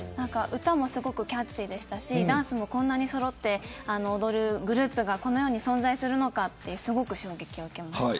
歌もキャッチーでしたしダンスも、こんなにそろって踊るグループが、この世に存在するのかと思うぐらいすごく衝撃を受けました。